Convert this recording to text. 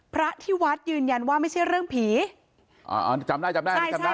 พระที่วัดยืนยันว่าไม่ใช่เรื่องผีอ่าอ๋อจำได้จำได้ไหมจำได้